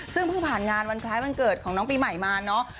ซึ่งเพิ่งผ่านงานวันคล้ายวันเกิดของน้องปีใหม่มาเนอะ